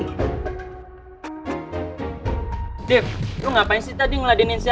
rif lo ngapain sih tadi ngeladain insidenya